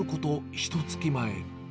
ひとつき前。